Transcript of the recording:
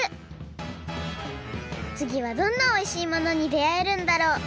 つぎはどんなおいしいものにであえるんだろう？